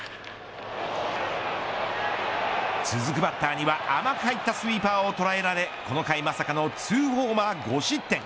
続くバッターには甘く入ったスイーパーを捉えられこの回まさかの２ホーマー５失点。